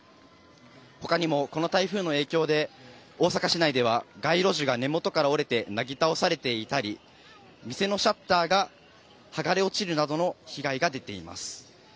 ほかにもこの台風の影響で、大阪市内では街路樹が根元から折れてなぎ倒されていたり、店のシャッターが剥がれ落ちるなどの被害が出ています。